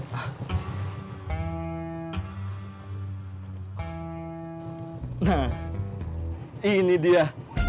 nah ini dia